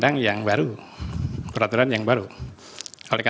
dan pada pada tanggal tiga belas november